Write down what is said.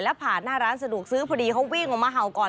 แล้วผ่านหน้าร้านสะดวกซื้อพอดีเขาวิ่งออกมาเห่าก่อน